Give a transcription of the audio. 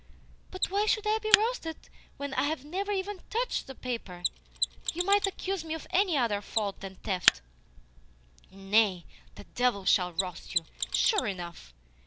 "But why should I be roasted when I have never even TOUCHED the paper? You might accuse me of any other fault than theft." "Nay, devils shall roast you, sure enough.